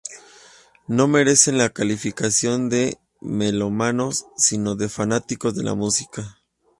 No merecen la calificación de melómanos sino de fanáticos de la música